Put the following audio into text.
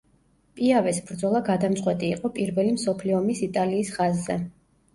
პიავეს ბრძოლა გადამწყვეტი იყო პირველი მსოფლიო ომის იტალიის ხაზზე.